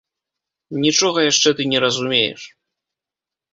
Нічога яшчэ ты не разумееш!